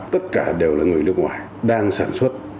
tất cả đều là người nước ngoài đang sản xuất